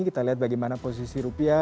kita lihat bagaimana posisi rupiah